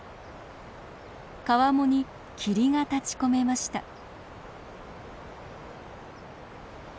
川面に霧が立ちこめました。